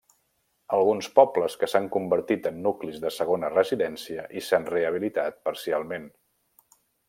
Alguns pobles que s'han convertit en nuclis de segona residència i s'han rehabilitat parcialment.